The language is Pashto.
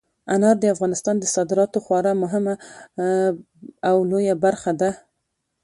انار د افغانستان د صادراتو یوه خورا مهمه او لویه برخه ده.